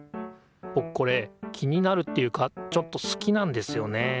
ぼくこれ気になるっていうかちょっと好きなんですよね。